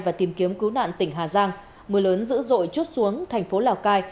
và tìm kiếm cứu nạn tỉnh hà giang mưa lớn dữ dội chút xuống thành phố lào cai